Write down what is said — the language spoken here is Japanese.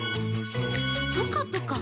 「プカプカ？